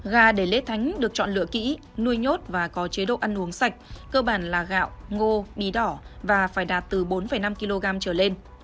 gà để lễ thánh được chọn lựa kỹ nuôi nhốt và có chế độ ăn uống sạch cơ bản là gạo ngô đi đỏ và phải đạt từ bốn năm kg trở lên